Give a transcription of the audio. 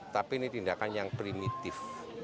tapi ini tindakan yang primitif